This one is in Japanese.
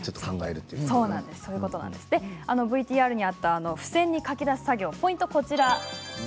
ＶＴＲにあった、付箋に書き出す作業のポイントです。